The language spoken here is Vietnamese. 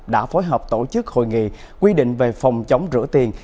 đã phối hợp tổ chức hội nghị quy định về phòng chống rửa tiền